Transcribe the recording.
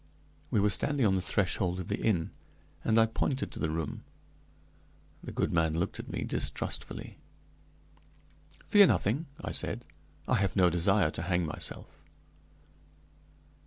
We were standing on the threshold of the inn, and I pointed to the room. The good man looked at me distrustfully. "Fear nothing," I said; "I have no desire to hang myself.".